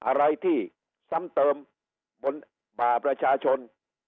อะไรที่ซ้ำเติมบนบ่าประชาชน